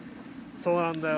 うなんだよ。